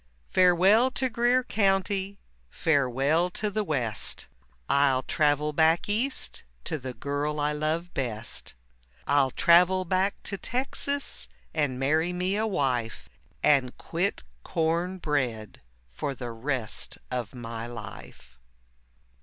Farewell to Greer County, farewell to the West, I'll travel back East to the girl I love best, I'll travel back to Texas and marry me a wife, And quit corn bread for the rest of my life.